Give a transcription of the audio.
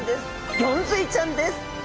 ゴンズイちゃんです。